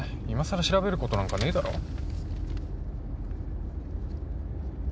いまさら調べることなんかねえだろ？